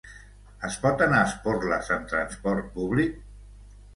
Es pot anar a Esporles amb transport públic?